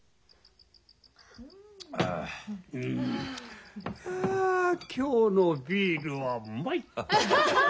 うんはあ今日のビールはうまい！